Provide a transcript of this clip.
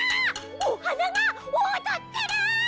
おはながおどってる！